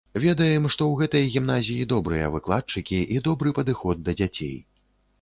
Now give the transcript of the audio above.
Ведаем, што ў гэтай гімназіі добрыя выкладчыкі і добры падыход да дзяцей.